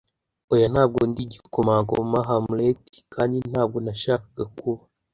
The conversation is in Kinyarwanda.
Oya! Ntabwo ndi igikomangoma Hamlet, kandi ntabwo nashakaga kuba;